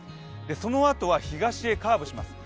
そのあとは東へカーブします。